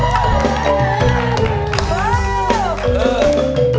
พวกแม่โรงการนั่งรถฝัดทอง